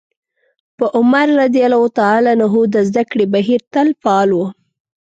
په عمر رض کې د زدکړې بهير تل فعال و.